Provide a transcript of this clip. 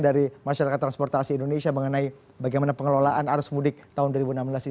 dari masyarakat transportasi indonesia mengenai bagaimana pengelolaan arus mudik tahun dua ribu enam belas ini